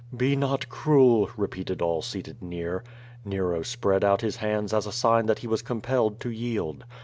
'* "Be not cruel,'' repeated all seated near. Nero spread out his hands as a sign that he was compelled to yield.